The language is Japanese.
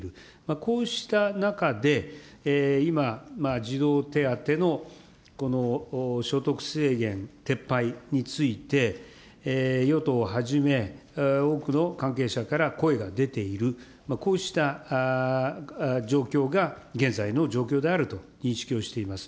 こうした中で、今、児童手当の所得制限撤廃について、与党をはじめ、多くの関係者から声が出ている、こうした状況が現在の状況であると認識をしています。